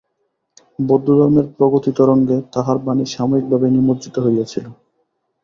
বৌদ্ধধর্মের প্রগতি-তরঙ্গে তাঁহার বাণী সাময়িক ভাবে নিমজ্জিত হইয়াছিল।